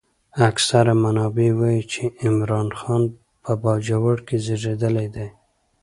اکثر منابع وايي چې عمرا خان په باجوړ کې زېږېدلی دی.